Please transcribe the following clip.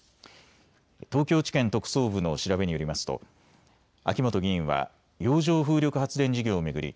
東京地検特捜部の調べによりますと秋本議員は洋上風力発電事業を巡り